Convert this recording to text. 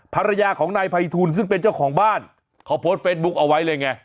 ภรรยาของนายภัยทูลซึ่งเป็นเจ้าของบ้านเขาโพสต์เฟซบุ๊คเอาไว้เลยไง